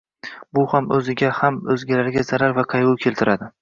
Bu ham oʻziga ham oʻzgalarga zarar va qaygʻu keltiradi